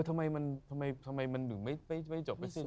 ที่ทำไมมันไม่จบไปสิ่ง